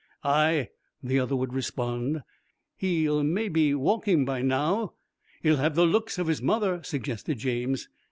'Ay,' the other would respond, 'he'll be maybe walking by now.' 'He'll have the looks of his mother,' suggested James.